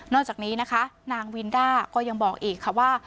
จากนี้นะคะนางวินด้าก็ยังบอกอีกค่ะว่า